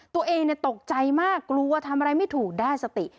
ตัวเองตกใจมากกลัวทำอะไรไม่ถูกได้สติ